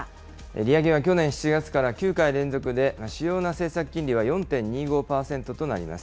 利上げは去年７月から９回連続で主要な政策金利は４．２５％となります。